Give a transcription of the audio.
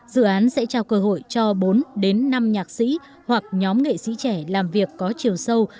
dự án sẽ trao cơ hội cho bốn đến năm nhạc sĩ hoặc nhóm nghệ sĩ trẻ làm việc có chiều sâu